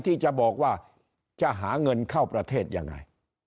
ที่จะบอกว่าจะหาเงินเข้าประเทศยังไง